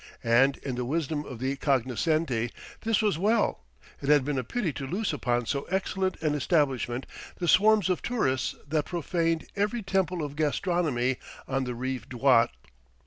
And in the wisdom of the cognoscenti this was well: it had been a pity to loose upon so excellent an establishment the swarms of tourists that profaned every temple of gastronomy on the Rive Droit.